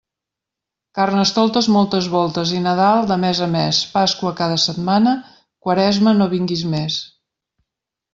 Carnestoltes moltes voltes i Nadal de mes a mes, Pasqua cada setmana; Quaresma, no vingues més.